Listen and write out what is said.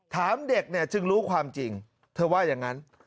ถามเด็กเนี่ยจึงรู้ความจริงเธอว่าอย่างนั้น